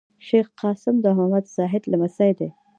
شېخ قاسم د محمد زاهد لمسی دﺉ.